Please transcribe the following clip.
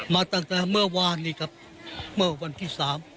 มาตั้งแต่เมื่อวานนี้ครับเมื่อวันที่สาม